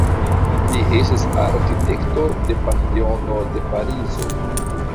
Li estis arkitekto de Panteono de Parizo.